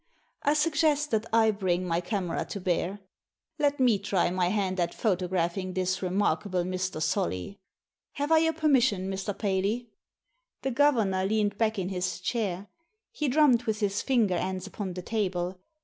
"I suggest that I bring my camera to bear. Let me try my hand at photographing this remarkable Mr. Solly. Have I your permission, Mr. Paley?" The governor leaned back in his chair. He drummed with his finger ends upon the table.